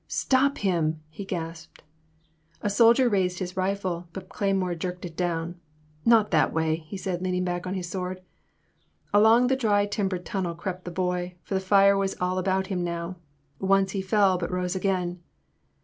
Stop him !" he gasped. A soldier raised his rifle, but Cle3nnore jerked it down. *' Not that way,*' he said, leaning back on his sword. Along the dry timbered tunnel crept the boy, for the fire was all about him now« Once he fell but rose again.